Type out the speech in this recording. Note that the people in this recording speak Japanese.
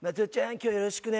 今日よろしくね。